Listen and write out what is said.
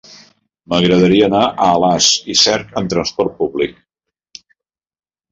M'agradaria anar a Alàs i Cerc amb trasport públic.